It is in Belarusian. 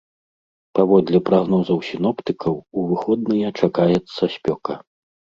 Паводле прагнозаў сіноптыкаў, у выходныя чакаецца спёка.